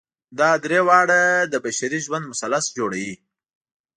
دا درې واړه د بشري ژوند مثلث جوړوي.